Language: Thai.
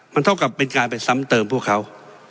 มันเท่ากับเป็นการไปซ้ำเติมพวกเขา